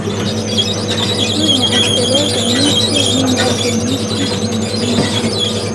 Julia afite roza nyinshi nindabyo nyinshi mumurima we.